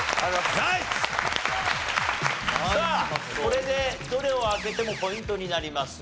さあこれでどれを開けてもポイントになります。